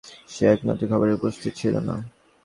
সে একমাত্র খাবারের সময় উপস্থিত ছিল না।